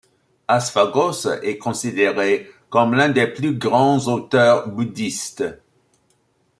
Aśvaghoṣa est considéré comme l'un des plus grands auteurs bouddhistes.